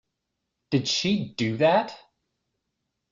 Did she do that?